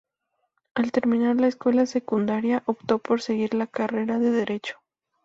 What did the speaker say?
Al terminar la escuela secundaria optó por seguir la carrera de Derecho.